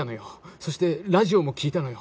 そしてラジオも聴いたのよ。